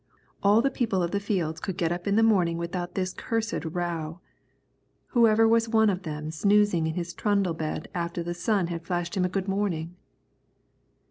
All the people of the fields could get up in the morning without this cursed row. Whoever was one of them snoozing in his trundle bed after the sun had flashed him a good morning?